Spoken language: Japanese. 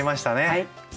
はい。